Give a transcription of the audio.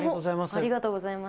ありがとうございます。